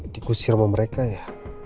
dikusir sama mereka ya